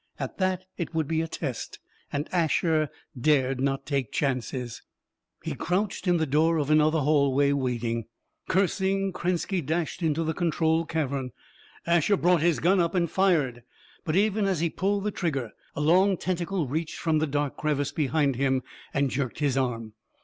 At that, it would be a test, and Asher dared not take chances. He crouched in the door of another hallway, waiting. Cursing, Krenski dashed into the control cavern. Asher brought his gun up and fired. But even as he pulled the trigger, a long tentacle reached from the dark crevice behind him and jerked his arm.